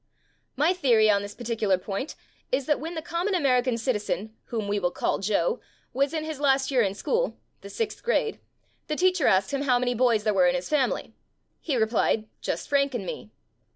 My theory on this particular point is that when the common American citizen, whom we will call Joe, was in his last year in school (the sixth grade), the teacher asked him how many boys there were in his family. He replied: "Just Frank and me."